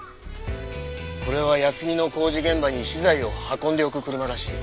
これは休みの工事現場に資材を運んでおく車らしい。